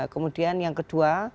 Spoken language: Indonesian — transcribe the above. kemudian yang kedua